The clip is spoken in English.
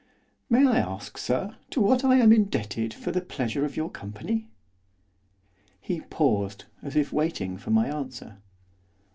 'May I ask, sir, to what I am indebted for the pleasure of your company?' He paused, as if waiting for my answer.